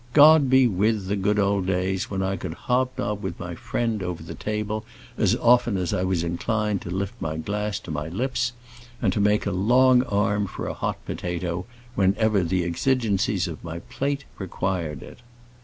God be with the good old days when I could hobnob with my friend over the table as often as I was inclined to lift my glass to my lips, and make a long arm for a hot potato whenever the exigencies of my plate required it.